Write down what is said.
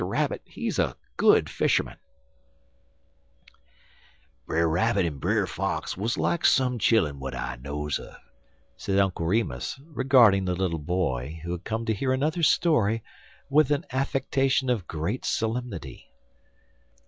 RABBIT, HE'S A GOOD FISHERMAN "BRER RABBIT en Brer Fox wuz like some chilluns w'at I knows un," said Uncle Remus, regarding the little boy, who had come to hear another story, with an affectation of great solemnity.